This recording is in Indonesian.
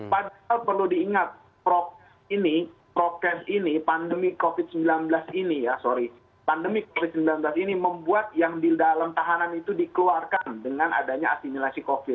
padahal perlu diingat prokes ini prokes ini pandemi covid sembilan belas ini ya sorry pandemi covid sembilan belas ini membuat yang di dalam tahanan itu dikeluarkan dengan adanya asimilasi covid